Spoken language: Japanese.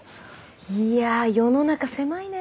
いやあ世の中狭いねえ。